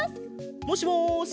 もしもし？